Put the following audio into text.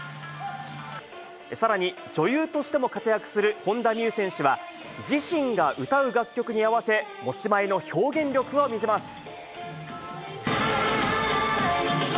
さらに、女優としても活躍する本田望結選手は、自身が歌う楽曲に合わせ、持ち前の表現力を見せます。